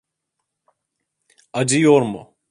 Acıyor mu?